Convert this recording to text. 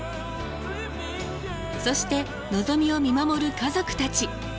そしてのぞみを見守る家族たち。